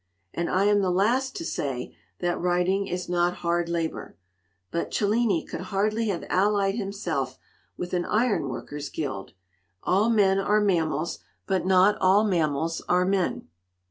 And I am the last to say that writing is not hard labor. But Cellini could hardly have allied himself with an iron workers* guild. All men are mammals, but not all mammals are men!